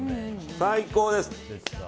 最高です。